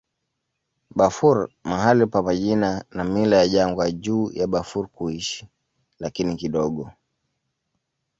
Bafur mahali pa majina na mila ya jangwa juu ya Bafur kuishi, lakini kidogo.